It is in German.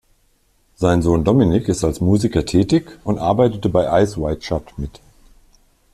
Sein Sohn Dominic ist als Musiker tätig und arbeitete bei "Eyes Wide Shut" mit.